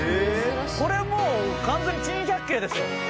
これもう完全に珍百景ですよ。